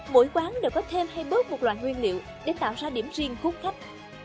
mỗi quán đều có thêm hay bớt một loại nguyên liệu để tạo ra điểm riêng khúc khách